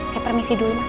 saya permisi dulu mas